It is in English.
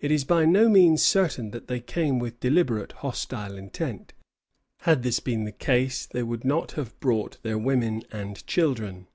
It is by no means certain that they came with deliberate hostile intent. Had this been the case, they would not have brought their women and children.